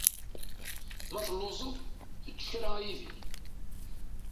Ma telluẓeḍ, ečč kra a Yidir.